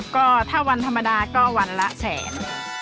ก็ถ้าวันธรรมดาก็วันละแสน